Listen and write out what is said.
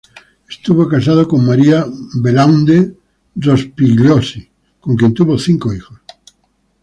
Estuvo casado con María Belaúnde Rospigliosi, con quien tuvo cinco hijos.